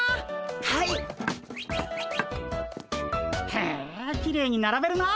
へえきれいにならべるなあ。